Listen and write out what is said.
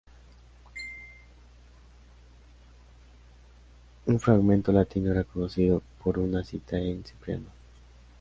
Un fragmento latino era conocido por una cita en Cipriano.